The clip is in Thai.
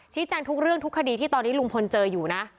แจ้งทุกเรื่องทุกคดีที่ตอนนี้ลุงพลเจออยู่นะ